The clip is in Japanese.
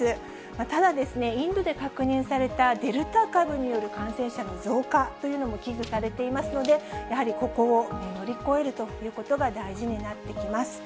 ただですね、インドで確認されたデルタ株による感染者の増加というのも危惧されていますので、やはりここを乗り越えるということが大事になってきます。